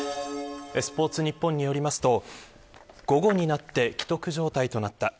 スポーツニッポンによりますと午後になって危篤状態となった。